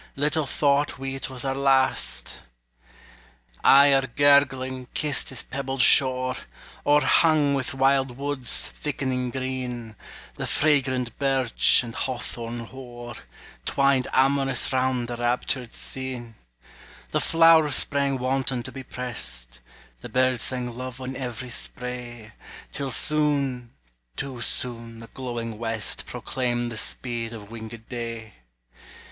little thought we 't was our last! Ayr, gurgling, kissed his pebbled shore, O'erhung with wild woods, thickening green; The fragrant birch, and hawthorn hoar, Twined amorous round the raptured scene; The flowers sprang wanton to be prest, The birds sang love on every spray, Till soon, too soon, the glowing west Proclaimed the speed of wingèd day.